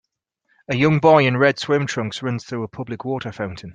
A young boy in red swim trunks runs through a public water fountain.